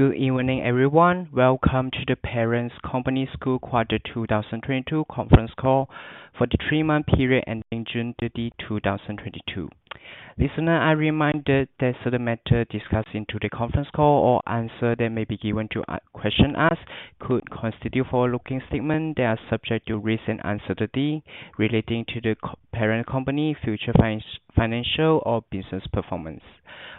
Good evening, everyone. Welcome to The Parent Company Q2 2022 conference call for the three-month period ending June 30, 2022. Listeners are reminded that certain matters discussed in today's conference call or answers that may be given to a question asked could constitute forward-looking statements that are subject to risk and uncertainty relating to The Parent Company future financial or business performance.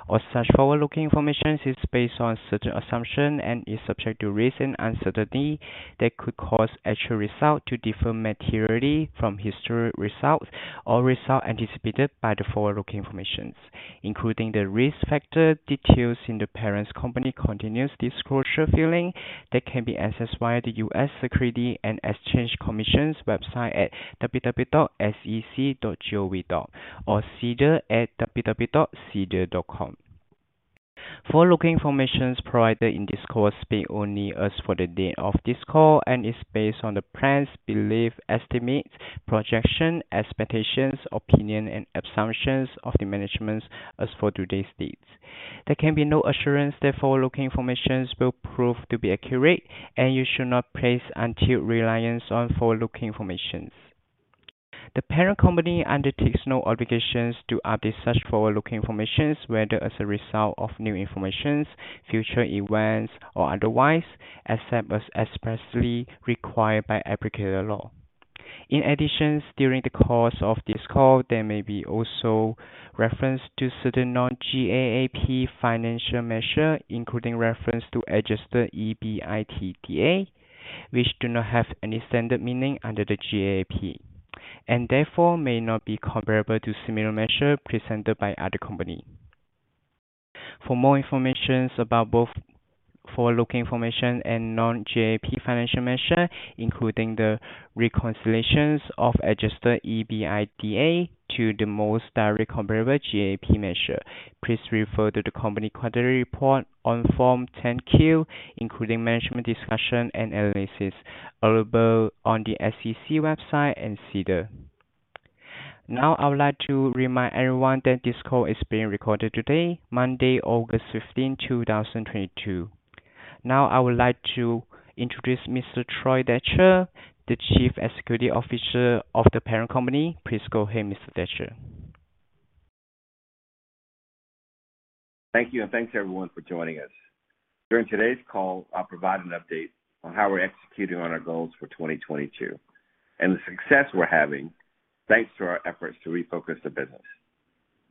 All such forward-looking information is based on certain assumptions and is subject to risk and uncertainty that could cause actual results to differ materially from historic results or results anticipated by the forward-looking information, including the risk factors detailed in The Parent Company continuous disclosure filings that can be accessed via the U.S. Securities and Exchange Commission's website at www.sec.gov or SEDAR at www.sedar.com. Forward-looking information provided in this call speaks only as of the date of this call and is based on the plans, beliefs, estimates, projections, expectations, opinions, and assumptions of management as of today's date. There can be no assurance that forward-looking information will prove to be accurate, and you should not place undue reliance on forward-looking information. The Parent Company undertakes no obligation to update such forward-looking information, whether as a result of new information, future events, or otherwise, except as expressly required by applicable law. In addition, during the course of this call, there may also be reference to certain non-GAAP financial measures, including adjusted EBITDA, which do not have any standard meaning under GAAP and therefore may not be comparable to similar measures presented by other companies. For more information about both forward-looking information and non-GAAP financial measure, including the reconciliations of Adjusted EBITDA to the most directly comparable GAAP measure, please refer to the company quarterly report on Form 10-Q, including management discussion and analysis available on the SEC website and SEDAR. I would like to remind everyone that this call is being recorded today, Monday, August 15, 2022. I would like to introduce Mr. Troy Datcher, the Chief Executive Officer of The Parent Company. Please go ahead, Mr. Datcher. Thank you, and thanks everyone for joining us. During today's call, I'll provide an update on how we're executing on our goals for 2022 and the success we're having, thanks to our efforts to refocus the business.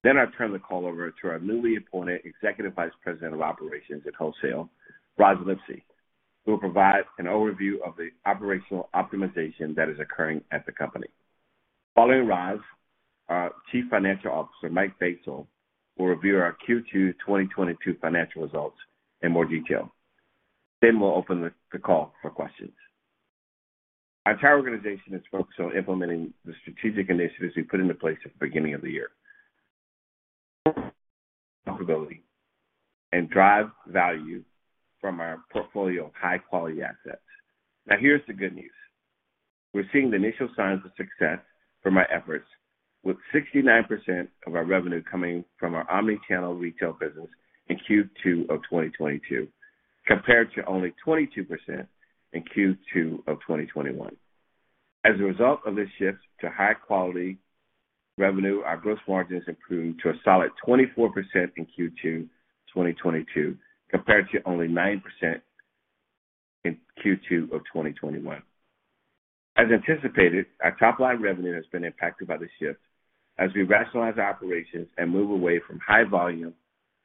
I'll turn the call over to our newly appointed Executive Vice President of Operations & Wholesale, Rozlyn Lipsey, who will provide an overview of the operational optimization that is occurring at the company. Following Roz, our Chief Financial Officer, Mike Batesole, will review our Q2 2022 financial results in more detail. We'll open the call for questions. Our entire organization is focused on implementing the strategic initiatives we put into place at the beginning of the year. Profitability and drive value from our portfolio of high-quality assets. Now, here's the good news. We're seeing the initial signs of success from our efforts, with 69% of our revenue coming from our omni-channel retail business in Q2 of 2022, compared to only 22% in Q2 of 2021. As a result of this shift to high quality revenue, our gross margin has improved to a solid 24% in Q2 2022, compared to only 9% in Q2 of 2021. As anticipated, our top line revenue has been impacted by the shift as we rationalize operations and move away from high volume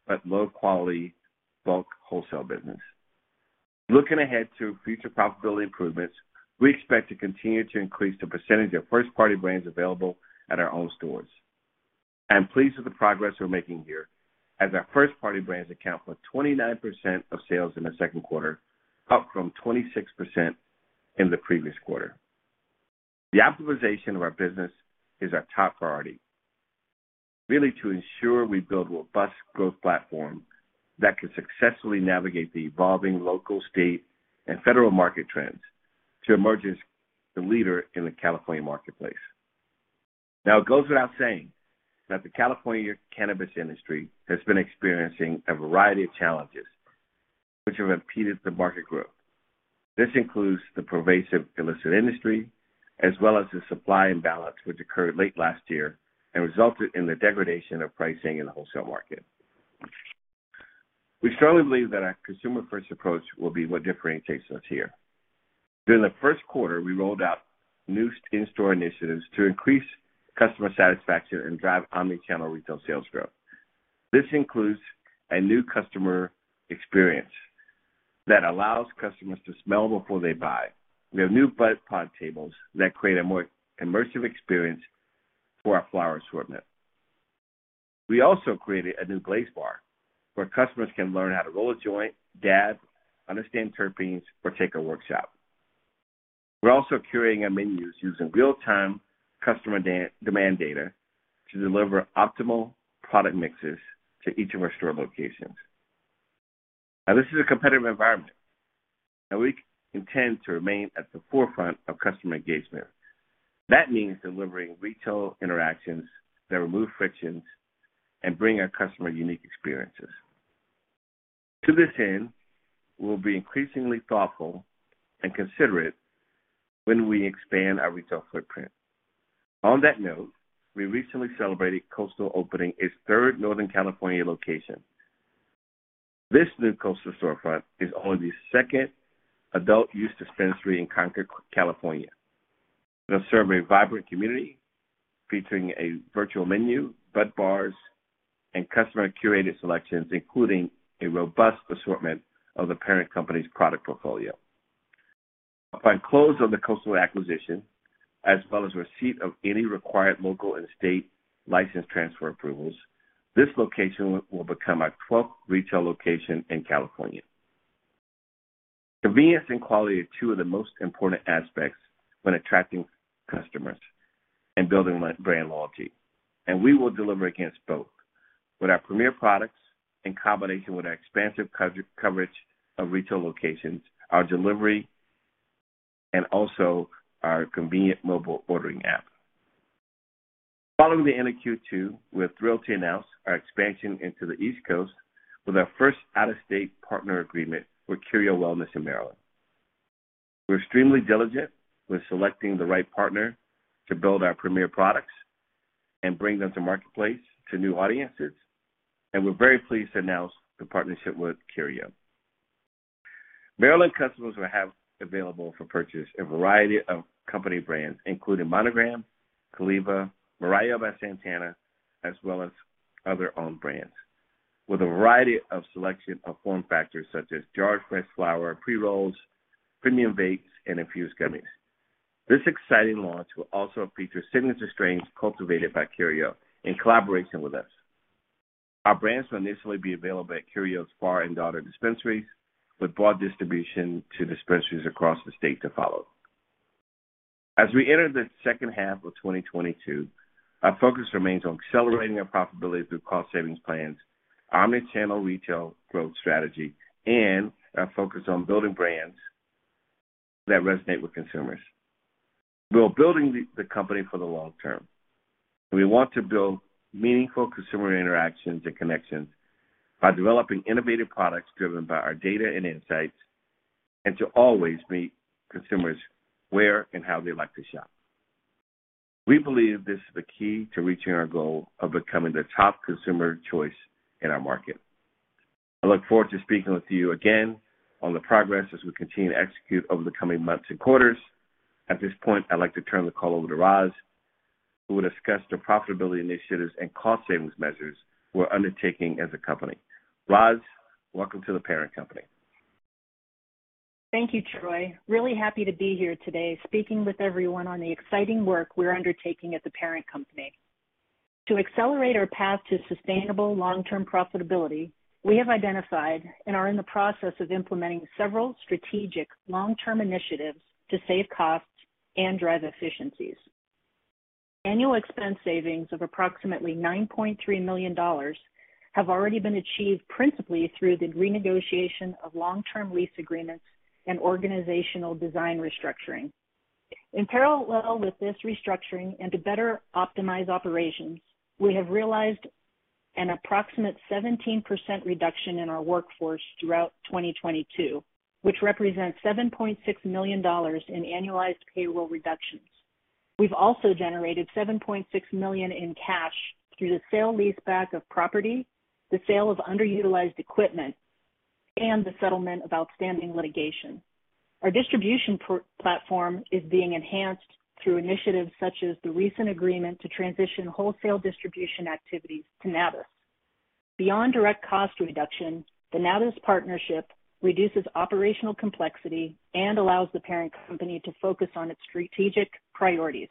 but low quality bulk wholesale business. Looking ahead to future profitability improvements, we expect to continue to increase the percentage of first-party brands available at our own stores. I'm pleased with the progress we're making here as our first-party brands account for 29% of sales in the second quarter, up from 26% in the previous quarter. The optimization of our business is our top priority, really to ensure we build robust growth platform that can successfully navigate the evolving local, state, and federal market trends to emerge as the leader in the California marketplace. Now, it goes without saying that the California cannabis industry has been experiencing a variety of challenges which have impeded the market growth. This includes the pervasive illicit industry as well as the supply imbalance which occurred late last year and resulted in the degradation of pricing in the wholesale market. We strongly believe that our consumer-first approach will be what differentiates us here. During the first quarter, we rolled out new in-store initiatives to increase customer satisfaction and drive omni-channel retail sales growth. This includes a new customer experience that allows customers to smell before they buy. We have new bud pod tables that create a more immersive experience for our flower assortment. We also created a new Blaze Bar where customers can learn how to roll a joint, dab, understand terpenes, or take a workshop. We're also curating our menus using real-time customer de-demand data to deliver optimal product mixes to each of our store locations. Now, this is a competitive environment. We intend to remain at the forefront of customer engagement. That means delivering retail interactions that remove frictions and bring our customer unique experiences. To this end, we'll be increasingly thoughtful and considerate when we expand our retail footprint. On that note, we recently celebrated Coastal opening its third Northern California location. This new Coastal storefront is only the second adult-use dispensary in Concord, California. It'll serve a vibrant community featuring a virtual menu, bud bars, and customer-curated selections, including a robust assortment of The Parent Company's product portfolio. Upon close of the Coastal acquisition, as well as receipt of any required local and state license transfer approvals, this location will become our twelfth retail location in California. Convenience and quality are two of the most important aspects when attracting customers and building brand loyalty, and we will deliver against both with our premier products in combination with our expansive coverage of retail locations, our delivery, and also our convenient mobile ordering app. Following the end of Q2, we're thrilled to announce our expansion into the East Coast with our first out-of-state partner agreement with Curio Wellness in Maryland. We're extremely diligent with selecting the right partner to build our premier products and bring them to marketplace to new audiences, and we're very pleased to announce the partnership with Curio. Maryland customers will have available for purchase a variety of company brands, including Monogram, Caliva, Mirayo by Santana, as well as other own brands, with a variety of selection of form factors such as jarred fresh flower, pre-rolls, premium vapes, and infused gummies. This exciting launch will also feature signature strains cultivated by Curio in collaboration with us. Our brands will initially be available at Curio's Far & Dotter dispensaries with broad distribution to dispensaries across the state to follow. As we enter the second half of 2022, our focus remains on accelerating our profitability through cost savings plans, omni-channel retail growth strategy, and our focus on building brands that resonate with consumers. We are building the company for the long term. We want to build meaningful consumer interactions and connections by developing innovative products driven by our data and insights, and to always meet consumers where and how they like to shop. We believe this is the key to reaching our goal of becoming the top consumer choice in our market. I look forward to speaking with you again on the progress as we continue to execute over the coming months and quarters. At this point, I'd like to turn the call over to Rozlyn, who will discuss the profitability initiatives and cost savings measures we're undertaking as a company. Rozlyn, welcome to The Parent Company. Thank you, Troy. Really happy to be here today speaking with everyone on the exciting work we're undertaking at The Parent Company. To accelerate our path to sustainable long-term profitability, we have identified and are in the process of implementing several strategic long-term initiatives to save costs and drive efficiencies. Annual expense savings of approximately $9.3 million have already been achieved principally through the renegotiation of long-term lease agreements and organizational design restructuring. In parallel with this restructuring and to better optimize operations, we have realized an approximate 17% reduction in our workforce throughout 2022, which represents $7.6 million in annualized payroll reductions. We've also generated $7.6 million in cash through the sale-leaseback of property, the sale of underutilized equipment, and the settlement of outstanding litigation. Our distribution platform is being enhanced through initiatives such as the recent agreement to transition wholesale distribution activities to Nabis. Beyond direct cost reduction, the Nabis partnership reduces operational complexity and allows the Parent Company to focus on its strategic priorities,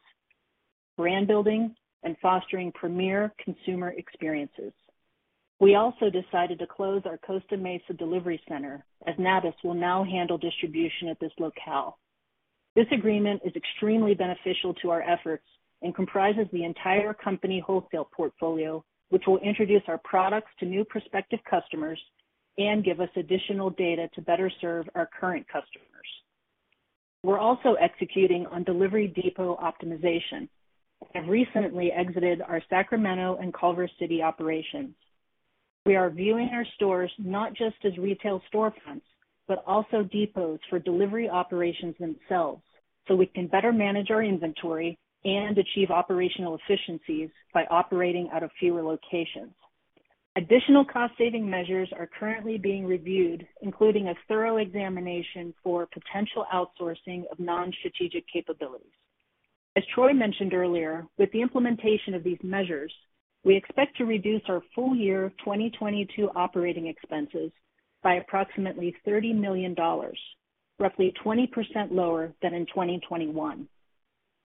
brand building, and fostering premier consumer experiences. We also decided to close our Costa Mesa delivery center as Nabis will now handle distribution at this locale. This agreement is extremely beneficial to our efforts and comprises the entire company wholesale portfolio, which will introduce our products to new prospective customers and give us additional data to better serve our current customers. We're also executing on delivery depot optimization and recently exited our Sacramento and Culver City operations. We are viewing our stores not just as retail storefronts, but also depots for delivery operations themselves, so we can better manage our inventory and achieve operational efficiencies by operating out of fewer locations. Additional cost saving measures are currently being reviewed, including a thorough examination for potential outsourcing of non-strategic capabilities. As Troy mentioned earlier, with the implementation of these measures, we expect to reduce our full year 2022 operating expenses by approximately $30 million, roughly 20% lower than in 2021.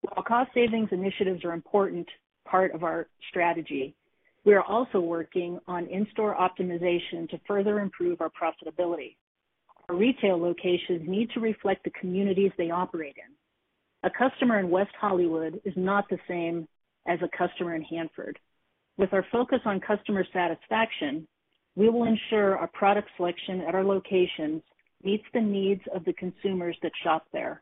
While cost savings initiatives are important part of our strategy, we are also working on in-store optimization to further improve our profitability. Our retail locations need to reflect the communities they operate in. A customer in West Hollywood is not the same as a customer in Hanford. With our focus on customer satisfaction, we will ensure our product selection at our locations meets the needs of the consumers that shop there.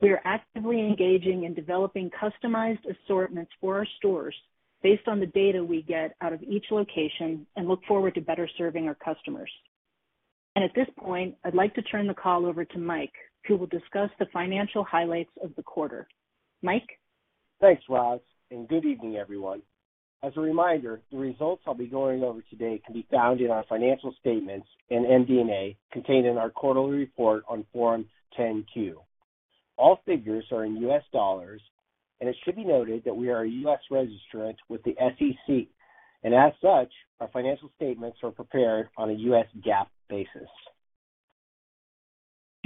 We are actively engaging in developing customized assortments for our stores based on the data we get out of each location and look forward to better serving our customers. At this point, I'd like to turn the call over to Mike, who will discuss the financial highlights of the quarter. Mike? Thanks, Rozlyn, and good evening, everyone. As a reminder, the results I'll be going over today can be found in our financial statements and MD&A contained in our quarterly report on Form 10-Q. All figures are in U.S. dollars, and it should be noted that we are a U.S. registrant with the SEC, and as such, our financial statements are prepared on a U.S. GAAP basis.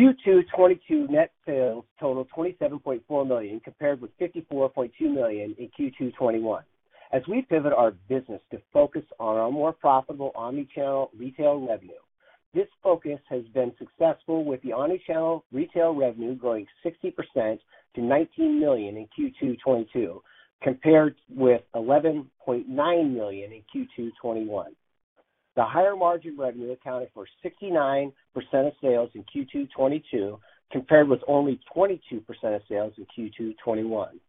Q2 2022 net sales totaled $27.4 million, compared with $54.2 million in Q2 2021. As we pivot our business to focus on our more profitable omni-channel retail revenue, this focus has been successful with the omni-channel retail revenue growing 60% to $19 million in Q2 2022, compared with $11.9 million in Q2 2021. The higher margin revenue accounted for 69% of sales in Q2 2022, compared with only 22% of sales in Q2 2021.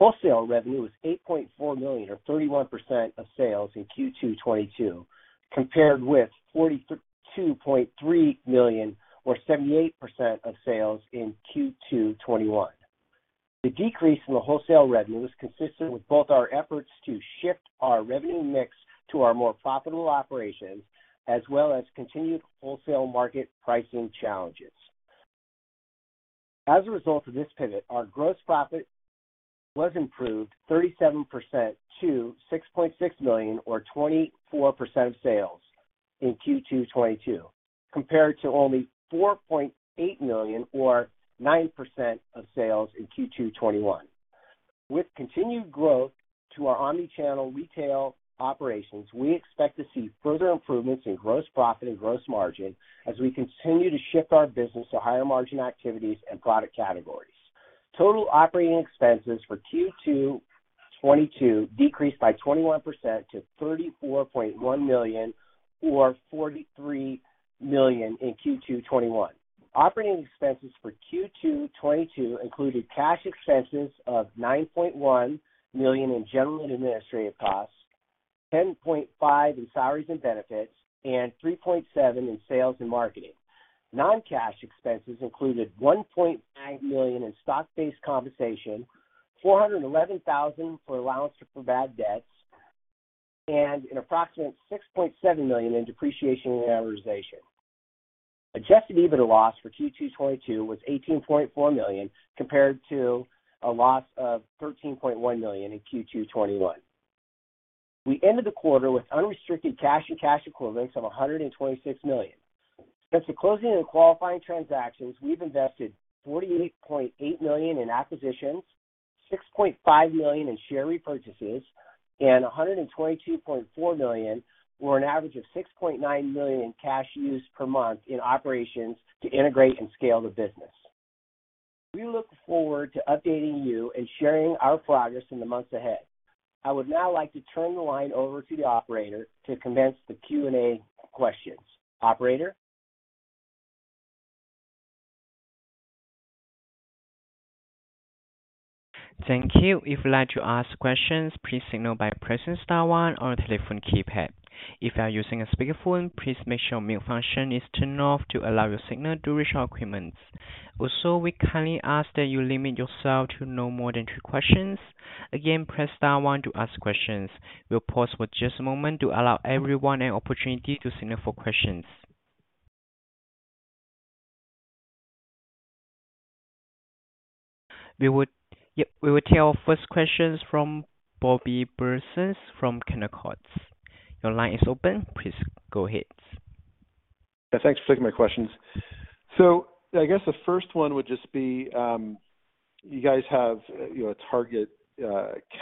Wholesale revenue was $8.4 million, or 31% of sales in Q2 2022, compared with $42.3 million or 78% of sales in Q2 2021. The decrease in the wholesale revenue is consistent with both our efforts to shift our revenue mix to our more profitable operations, as well as continued wholesale market pricing challenges. As a result of this pivot, our gross profit was improved 37% to $6.6 million, or 24% of sales in Q2 2022, compared to only $4.8 million or 9% of sales in Q2 2021. With continued growth to our omni-channel retail operations, we expect to see further improvements in gross profit and gross margin as we continue to shift our business to higher margin activities and product categories. Total operating expenses for Q2 2022 decreased by 21% to $34.1 million from $43 million in Q2 2021. Operating expenses for Q2 2022 included cash expenses of $9.1 million in general and administrative costs, $10.5 million in salaries and benefits, and $3.7 million in sales and marketing. Non-cash expenses included $1.9 million in stock-based compensation, $411,000 for allowance for bad debts, and an approximate $6.7 million in depreciation and amortization. Adjusted EBITDA loss for Q2 2022 was $18.4 million, compared to a loss of $13.1 million in Q2 2021. We ended the quarter with unrestricted cash and cash equivalents of $126 million. Since the closing and qualifying transactions, we've invested $48.8 million in acquisitions, $6.5 million in share repurchases, and $122.4 million, or an average of $6.9 million cash used per month in operations to integrate and scale the business. We look forward to updating you and sharing our progress in the months ahead. I would now like to turn the line over to the operator to commence the Q&A questions. Operator? Thank you. If you'd like to ask questions, please signal by pressing star one on your telephone keypad. If you are using a speakerphone, please make sure mute function is turned off to allow your signal to reach our equipment. Also, we kindly ask that you limit yourself to no more than two questions. Again, press star one to ask questions. We'll pause for just a moment to allow everyone an opportunity to signal for questions. We will take our first question from Owen Bennett from Jefferies. Your line is open. Please go ahead. Yeah, thanks for taking my questions. I guess the first one would just be, you guys have a target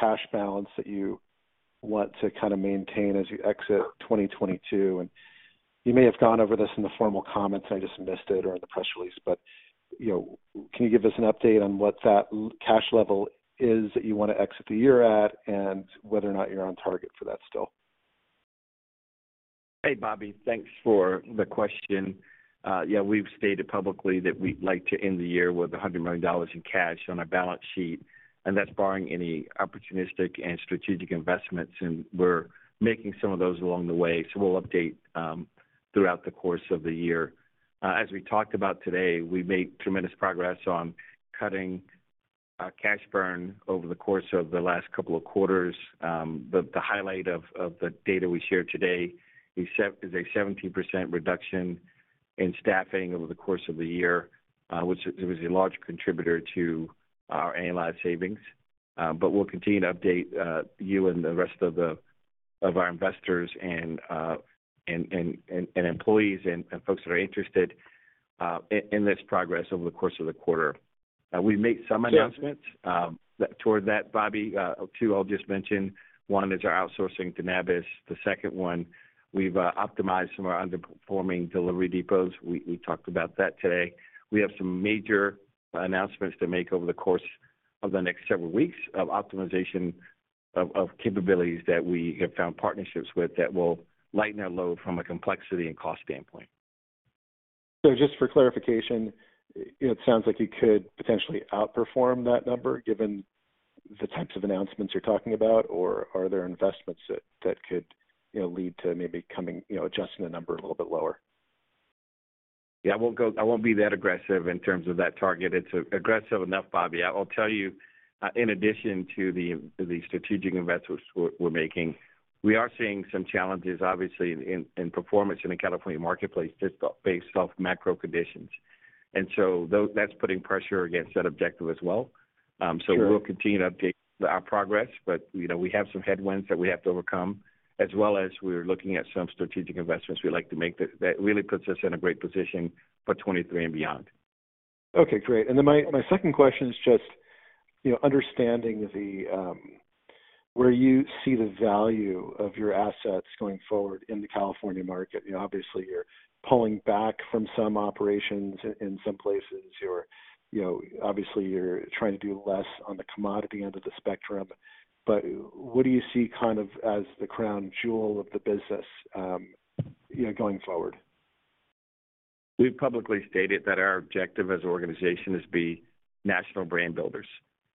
cash balance that you want to kind of maintain as you exit 2022, and you may have gone over this in the formal comments, I just missed it or in the press release, but, you know, can you give us an update on what that low-cash level is that you want to exit the year at and whether or not you're on target for that still? Hey, Owen, thanks for the question. We've stated publicly that we'd like to end the year with $100 million in cash on our balance sheet, and that's barring any opportunistic and strategic investments. We're making some of those along the way. We'll update throughout the course of the year. As we talked about today, we made tremendous progress on cutting cash burn over the course of the last couple of quarters. The highlight of the data we shared today is a 17% reduction in staffing over the course of the year, which was a large contributor to our annualized savings. We'll continue to update you and the rest of our investors and employees and folks that are interested in this progress over the course of the quarter. We made some announcements toward that, Owen, two I'll just mention. One is our outsourcing to Nabis. The second one, we've optimized some of our underperforming delivery depots. We talked about that today. We have some major announcements to make over the course Of the next several weeks of optimization of capabilities that we have found partnerships with that will lighten our load from a complexity and cost standpoint. Just for clarification, it sounds like you could potentially outperform that number given the types of announcements you're talking about, or are there investments that could, you know, lead to maybe adjusting the number a little bit lower? Yeah, I won't be that aggressive in terms of that target. It's aggressive enough, Owen. I will tell you, in addition to the strategic investments we're making, we are seeing some challenges, obviously, in performance in the California marketplace just based off macro conditions. That's putting pressure against that objective as well. Sure. We'll continue to update our progress, but, you know, we have some headwinds that we have to overcome, as well as we're looking at some strategic investments we like to make that really puts us in a great position for 2023 and beyond. Okay, great. Then my second question is just, you know, understanding where you see the value of your assets going forward in the California market. You know, obviously, you're pulling back from some operations in some places. You know, obviously, you're trying to do less on the commodity end of the spectrum. What do you see kind of as the crown jewel of the business, you know, going forward? We've publicly stated that our objective as an organization is to be national brand builders,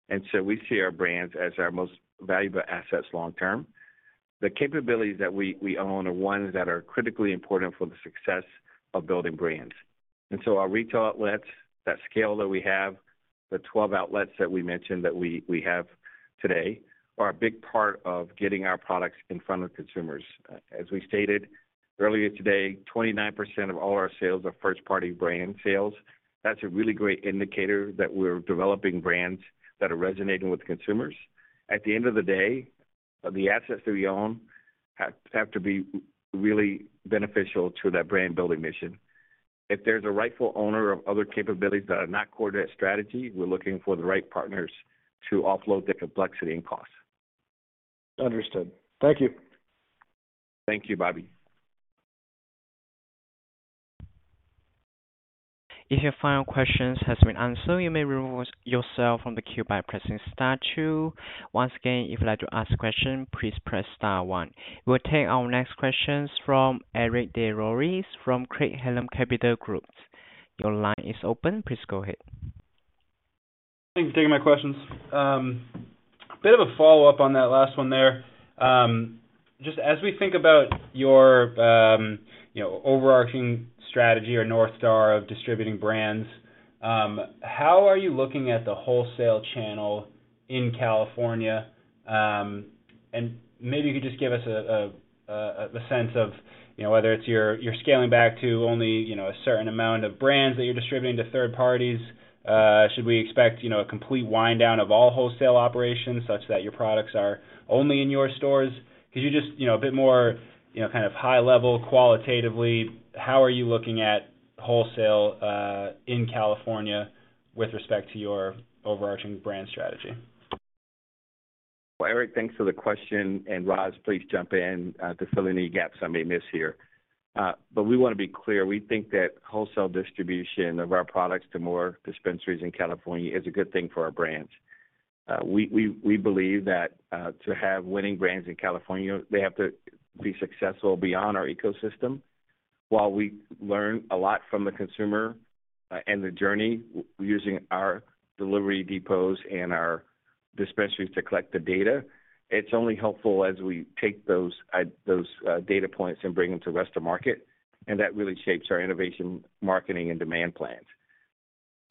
and so we see our brands as our most valuable assets long term. The capabilities that we own are ones that are critically important for the success of building brands. Our retail outlets, that scale that we have, the 12 outlets that we have today, are a big part of getting our products in front of consumers. As we stated earlier today, 29% of all our sales are first-party brand sales. That's a really great indicator that we're developing brands that are resonating with consumers. At the end of the day, the assets that we own have to be really beneficial to that brand-building mission. If there's a rightful owner of other capabilities that are not core to that strategy, we're looking for the right partners to offload the complexity and cost. Understood. Thank you. Thank you, Owen. If your final question has been answered, you may remove yourself from the queue by pressing star two. Once again, if you'd like to ask a question, please press star one. We'll take our next question from Eric DesLauriers from Craig-Hallum Capital Group. Your line is open. Please go ahead. Thanks for taking my questions. A bit of a follow-up on that last one there. Just as we think about your, you know, overarching strategy or North Star of distributing brands, how are you looking at the wholesale channel in California? Maybe you could just give us a sense of, you know, whether you're scaling back to only, you know, a certain amount of brands that you're distributing to third parties. Should we expect, you know, a complete wind down of all wholesale operations such that your products are only in your stores? Could you just, you know, a bit more, you know, kind of high-level qualitatively, how are you looking at wholesale in California with respect to your overarching brand strategy? Well, Eric, thanks for the question. Rozlyn, please jump in to fill any gaps I may miss here. We want to be clear, we think that wholesale distribution of our products to more dispensaries in California is a good thing for our brands. We believe that to have winning brands in California, they have to be successful beyond our ecosystem. While we learn a lot from the consumer and the journey using our delivery depots and our dispensaries to collect the data, it's only helpful as we take those data points and bring them to rest of market, and that really shapes our innovation, marketing, and demand plans.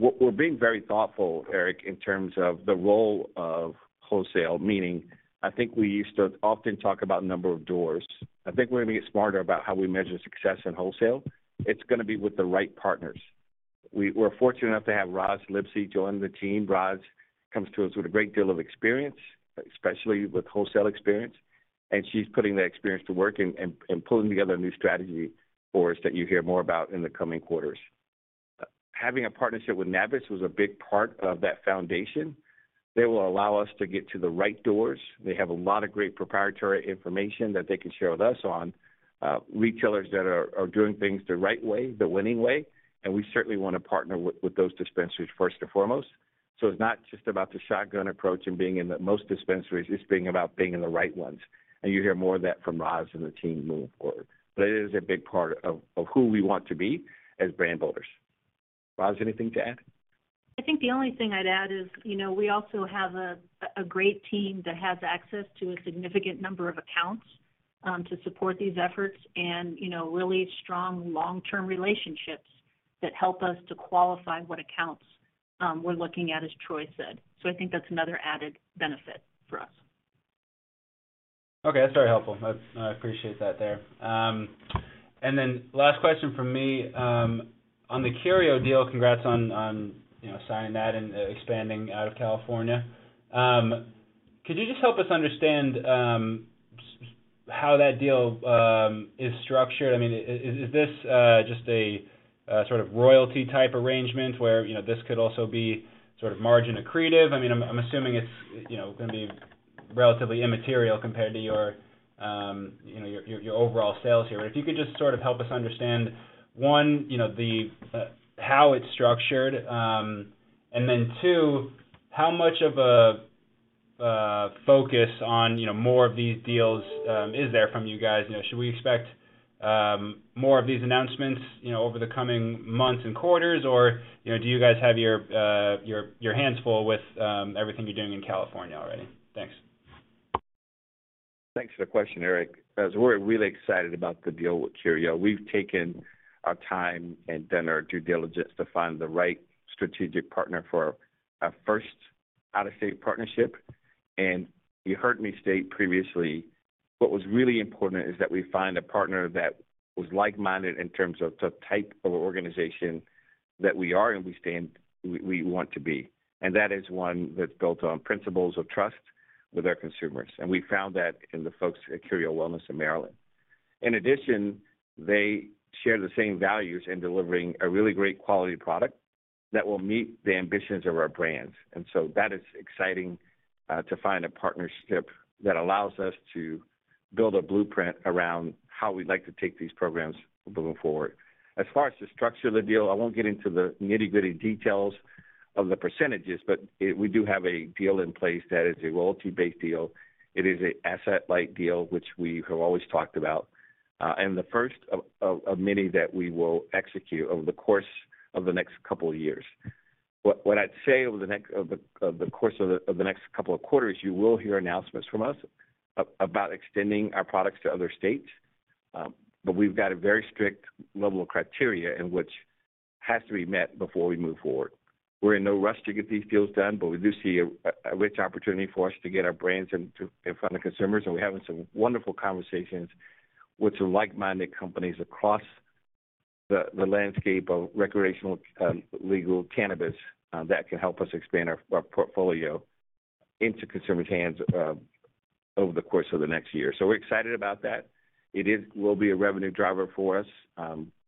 We're being very thoughtful, Eric, in terms of the role of wholesale, meaning I think we used to often talk about number of doors. I think we're going to get smarter about how we measure success in wholesale. It's going to be with the right partners. We're fortunate enough to have Rozlyn Lipsey join the team. Rozlyn comes to us with a great deal of experience, especially with wholesale experience, and she's putting that experience to work and pulling together a new strategy for us that you hear more about in the coming quarters. Having a partnership with Nabis was a big part of that foundation. They will allow us to get to the right doors. They have a lot of great proprietary information that they can share with us on retailers that are doing things the right way, the winning way, and we certainly want to partner with those dispensaries first and foremost. It's not just about the shotgun approach and being in the most dispensaries, it's being about being in the right ones. You hear more of that from Roz and the team moving forward. It is a big part of who we want to be as brand builders. Roz, anything to add? I think the only thing I'd add is, you know, we also have a great team that has access to a significant number of accounts to support these efforts and, you know, really strong long-term relationships that help us to qualify what accounts we're looking at, as Troy said. I think that's another added benefit for us. Okay, that's very helpful. That's I appreciate that there. And then last question from me. On the Curio deal, congrats on you know signing that and expanding out of California. Could you just help us understand how that deal is structured? I mean, is this just a sort of royalty type arrangement where you know this could also be sort of margin accretive? I mean, I'm assuming it's you know gonna be relatively immaterial compared to your overall sales here. If you could just sort of help us understand, one you know the how it's structured and then two, how much of a focus on you know more of these deals is there from you guys? You know, should we expect more of these announcements, you know, over the coming months and quarters or, you know, do you guys have your hands full with everything you're doing in California already? Thanks. Thanks for the question, Eric. As we're really excited about the deal with Curio. We've taken our time and done our due diligence to find the right strategic partner for our first out-of-state partnership. You heard me state previously, what was really important is that we find a partner that was like-minded in terms of the type of organization that we are and we stand, we want to be. That is one that's built on principles of trust with our consumers. We found that in the folks at Curio Wellness in Maryland. In addition, they share the same values in delivering a really great quality product that will meet the ambitions of our brands. That is exciting to find a partnership that allows us to build a blueprint around how we'd like to take these programs moving forward. As far as the structure of the deal, I won't get into the nitty-gritty details of the percentages, but we do have a deal in place that is a royalty-based deal. It is an asset-light deal, which we have always talked about, and the first of many that we will execute over the course of the next couple of years. What I'd say over the next couple of quarters, you will hear announcements from us about extending our products to other states. But we've got a very strict level of criteria in which has to be met before we move forward. We're in no rush to get these deals done, but we do see a rich opportunity for us to get our brands in front of consumers. We're having some wonderful conversations with some like-minded companies across the landscape of recreational legal cannabis that can help us expand our portfolio into consumers' hands over the course of the next year. We're excited about that. It will be a revenue driver for us.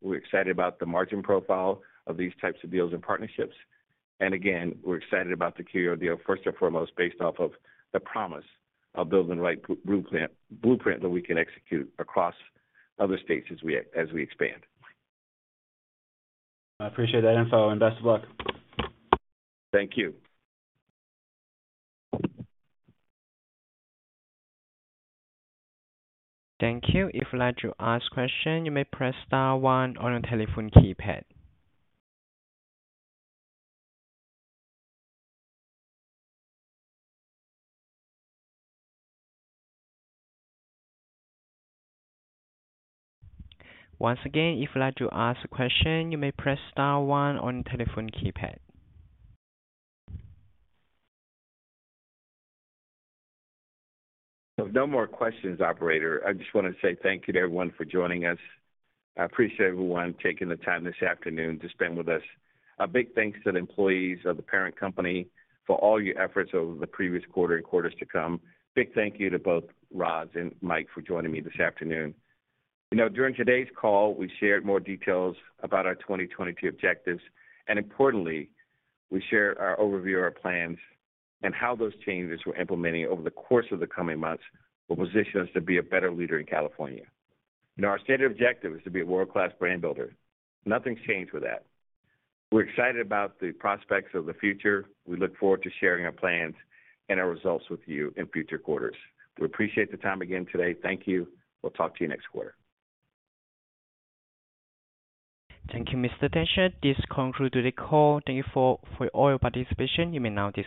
We're excited about the margin profile of these types of deals and partnerships. Again, we're excited about the Curio deal, first and foremost, based off of the promise of building the right blueprint that we can execute across other states as we expand. I appreciate that info, and best of luck. Thank you. Thank you. If you'd like to ask question, you may press star one on your telephone keypad. Once again, if you'd like to ask a question, you may press star one on your telephone keypad. No more questions, operator. I just wanna say thank you to everyone for joining us. I appreciate everyone taking the time this afternoon to spend with us. A big thanks to the employees of the Parent Company for all your efforts over the previous quarter and quarters to come. Big thank you to both Rozlyn and Mike for joining me this afternoon. You know, during today's call, we shared more details about our 2022 objectives, and importantly, we shared our overview of our plans and how those changes we're implementing over the course of the coming months will position us to be a better leader in California. You know, our stated objective is to be a world-class brand builder. Nothing's changed with that. We're excited about the prospects of the future. We look forward to sharing our plans and our results with you in future quarters. We appreciate the time again today. Thank you. We'll talk to you next quarter. Thank you, Mr. Datcher. This concludes the call. Thank you for all your participation. You may now disconnect.